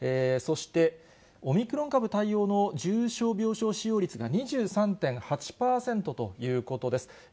そして、オミクロン株対応の重症病床使用率が２３．８％ということです。